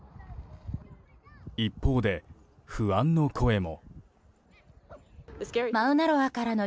一方で、不安の声も。